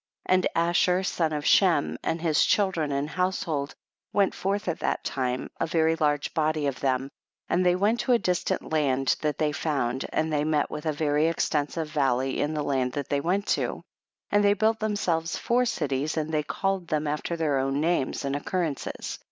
32. And Ashur son of Shem and his children and household went forth at that time, a very large body of them, and they went to a distant land that they found, and they met with a very extensive valley in the land that they went to, and they built themselves four cities, and they called them after their own names and occurrences.